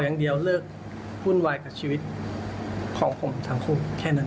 อย่างเดียวเลิกวุ่นวายกับชีวิตของผมทั้งคู่แค่นั้น